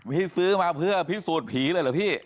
ซื้อมาเพื่อพิสูจน์ผีเลยเหรอพี่